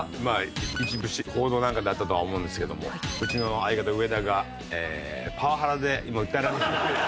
一部報道なんかであったとは思うんですけどもうちの相方上田がパワハラで今訴えられまして。